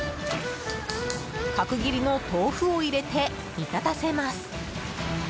角切りの豆腐を入れて煮立たせます。